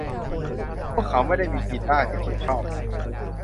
พวกเขาไม่ได้มีกีตาร์ที่คุณชอบ ?